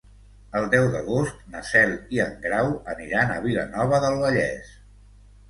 El deu d'agost na Cel i en Grau aniran a Vilanova del Vallès.